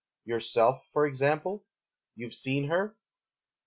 Yourself, for example? you've seen her?